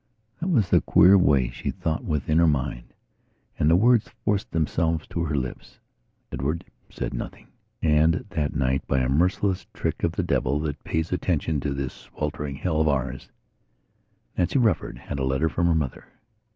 That was the queer way she thought within her mind, and the words forced themselves to her lips. Edward said nothing. And that night, by a merciless trick of the devil that pays attention to this sweltering hell of ours, Nancy Rufford had a letter from her mother.